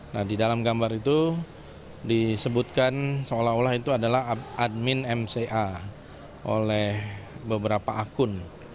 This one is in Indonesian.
nah di dalam gambar itu disebutkan seolah olah itu adalah admin mca oleh beberapa akun